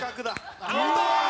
アウト！